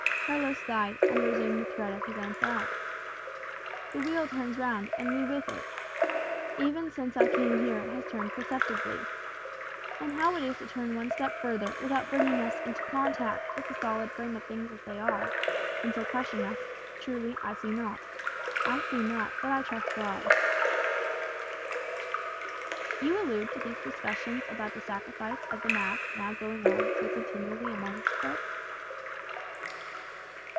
Carlos sighed, and resumed the thread of his own thought, "The wheel turns round, and we with it. Even since I came here it has turned perceptibly. And how it is to turn one step further without bringing us into contact with the solid frame of things as they are, and so crushing us, truly I see not. I see not; but I trust God." "You allude to these discussions about the sacrifice of the mass now going on so continually amongst us?"